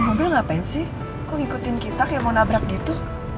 mobil ngapain sih kok ngikutin kita kayak mau nabrak gitu